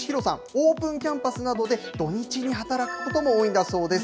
オープンキャンパスなどで土日に働くことも多いんだそうです。